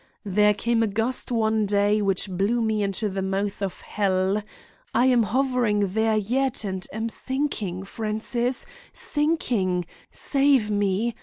There came a gust one day which blew me into the mouth of hell. I am hovering there yet and am sinking, Francis, sinking—Save me!